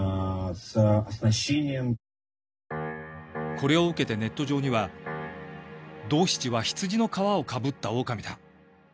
これを受けてネット上には「ドーシチは羊の皮をかぶったオオカミだ」